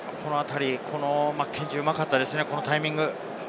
マッケンジー、うまかったですね、このタイミング。